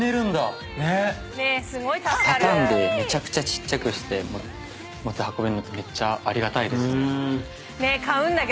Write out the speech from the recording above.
畳んでめちゃくちゃちっちゃくして持ち運べるのめっちゃありがたいですね。